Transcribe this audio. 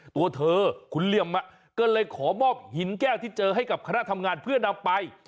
ตัวเธอขุนเหลี่ยมก็เลยขอมอบหินแก้วที่เจอให้กับคณะทำงานเพื่อนำไป